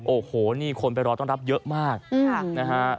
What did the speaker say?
โอ้โหนี่คนไปรอต้อนรับเยอะมากนะฮะ